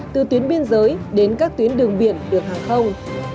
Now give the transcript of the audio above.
từ tuyến biên giới đến các tuyến đường biển đường hàng không